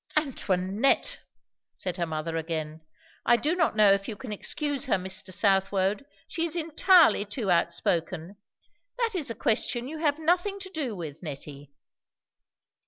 "Antoinette!" said her mother again. "I do not know if you can excuse her, Mr. Southwode; she is entirely too out spoken. That is a question you have nothing to do with, Nettie."